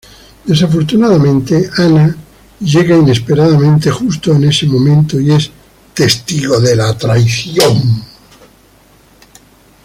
Desafortunadamente, Anna llega inesperadamente justo en este momento y es testigo la traición.